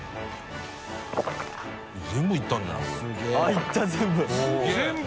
いった全部！